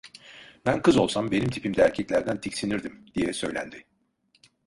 "Ben kız olsam benim tipimde erkeklerden tiksinirdim" diye söylendi.